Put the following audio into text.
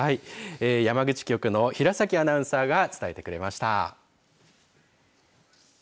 山口局の平崎アナウンサーが伝えてくれました。